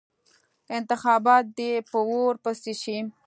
انتخابات دې په اور پسې شي.